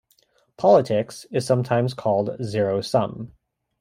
Politics is sometimes called zero sum.